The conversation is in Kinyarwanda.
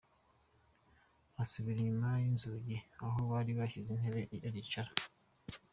Asubira inyuma y’inzugi aho bari bashyize intebe aricara.